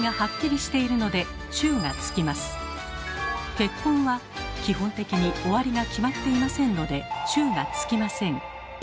「結婚」は基本的に終わりが決まっていませんので「中」がつきません。